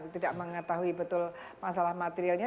tidak mengetahui betul masalah materialnya